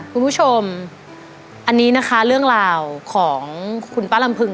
คุณผู้ชมอันนี้นะคะเรื่องราวของคุณป้าลำพึง